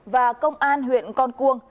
và công an huyện con cuông